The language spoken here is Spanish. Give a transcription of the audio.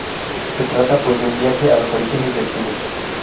Se trata pues de un viaje a los orígenes del cine.